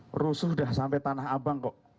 perusuh sudah sampai tanah abang kok